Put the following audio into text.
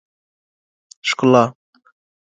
ښکلا